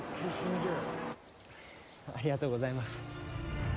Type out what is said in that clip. ありがとうございます。